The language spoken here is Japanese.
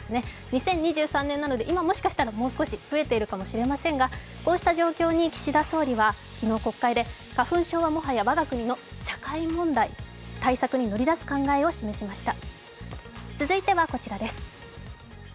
２０２３年なので今はもしかしたらもう少し増えているかもしれませんが、こうした状況に岸田総理は昨日国会で花粉症はもはや我が国の社会問題対策に乗り出す考えを示しました。